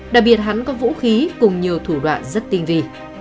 đặc biệt hắn có vũ khí cùng nhiều thủ đoạn rất tinh vi